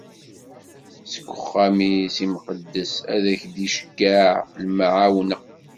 Seg uxxam-is imqeddes, ad ak-d-iceyyeɛ lemɛawna.